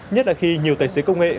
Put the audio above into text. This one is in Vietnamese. nhất là khi nhiều tài xế công nghệ